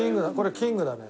キングだよ。